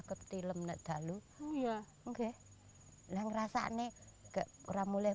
kalau dari orang asli